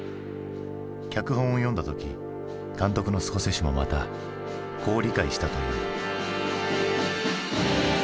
脚本を読んだ時監督のスコセッシもまたこう理解したという。